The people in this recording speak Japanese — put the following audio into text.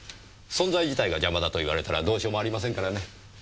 存在自体が邪魔だと言われたらどうしようもありませんからね。